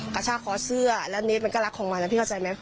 กระชากคอเสื้อแล้วเนสมันก็รักของมันนะพี่เข้าใจไหม